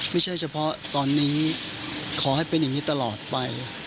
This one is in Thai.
ไม่ใช่เฉพาะตอนนี้ขอให้เป็นอย่างนี้ตลอดไป